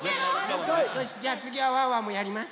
よしじゃあつぎはワンワンもやります。